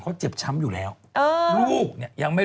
พี่เนทำไมักันอย่างนี้